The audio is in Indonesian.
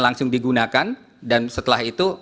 langsung digunakan dan setelah itu